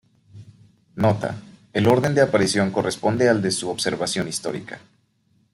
Nota: el orden de aparición corresponde al de su observación histórica.